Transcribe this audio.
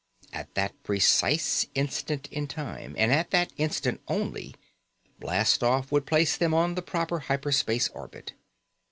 At that precise instant in time, and at that instant only, blastoff would place them on the proper hyper space orbit.